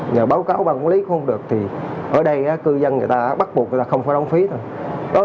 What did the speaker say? giờ báo cáo bang quản lý không được thì ở đây cư dân người ta bắt buộc người ta không phải đóng phí thôi